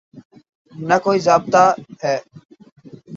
نہ کوئی ضابطہ ہے۔